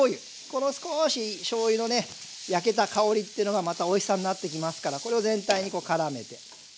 この少ししょうゆのね焼けた香りっていうのがまたおいしさになっていきますからこれを全体にからめて。